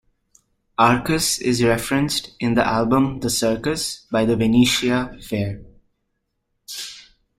Arcas is referenced in the album "The Circus" by The Venetia Fair.